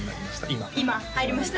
今今入りました？